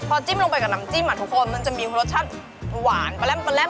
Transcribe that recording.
พอจิ้มลงไปกับน้ำจิ้มอ่ะทุกคนมันจะมีรสชาติหวาน